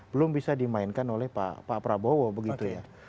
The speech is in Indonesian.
belum bisa dimainkan oleh pak prabowo begitu ya